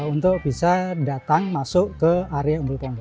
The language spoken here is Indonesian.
untuk bisa datang masuk ke area umbul pondok